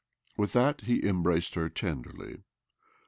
With that he embraced her tenderly.